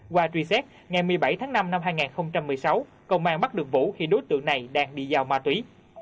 qua truy xét ngày một mươi bảy tháng năm năm hai nghìn một mươi sáu công an bắt được vũ khi đối tượng này đang đi giao ma túy